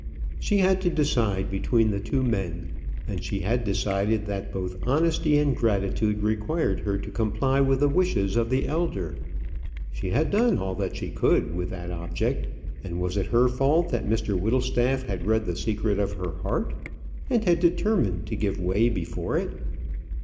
She had to decide between the two men, and she had decided that both honesty and gratitude required her to comply with the wishes of the elder. She had done all that she could with that object, and was it her fault that Mr Whittlestaff had read the secret of her heart, and had determined to give way before it?